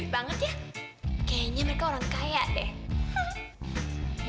kayaknya mereka orang kaya deh